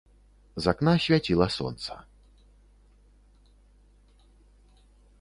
З акна свяціла сонца.